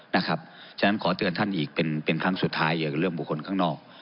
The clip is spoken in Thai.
เพราะฉะนั้นขอเตือนท่านอีกเป็นครั้งสุดท้ายเกี่ยวกับเรื่องบุคคลข้างนอก